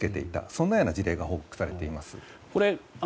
そのような事例が報告されています。